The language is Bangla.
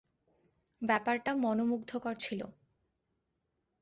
ব্যাপারটা মনোমুগ্ধকর ছিল।